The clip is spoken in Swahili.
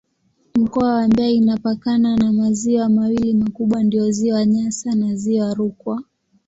Mkoa wa Mbeya inapakana na maziwa mawili makubwa ndiyo Ziwa Nyasa na Ziwa Rukwa.